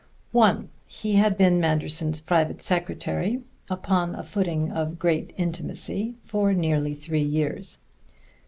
(1) He had been Manderson's private secretary, upon a footing of great intimacy, for nearly three years.